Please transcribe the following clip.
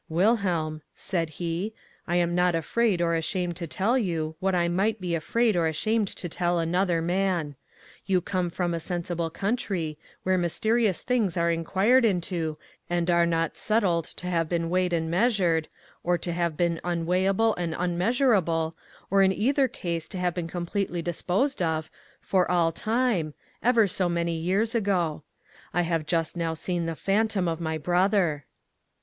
'Wilhelm,' said he, 'I am not afraid or ashamed to tell you what I might be afraid or ashamed to tell another man. You come from a sensible country, where mysterious things are inquired into and are not settled to have been weighed and measured—or to have been unweighable and unmeasurable—or in either case to have been completely disposed of, for all time—ever so many years ago. I have just now seen the phantom of my brother.